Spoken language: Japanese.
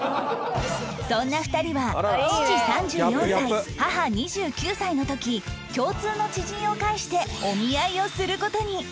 そんな２人は父３４歳母２９歳の時共通の知人を介してお見合いをする事に